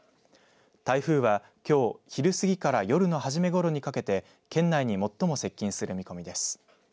台風はきょう昼過ぎから夜の初めごろにかけて県内に最も接近する見込みです。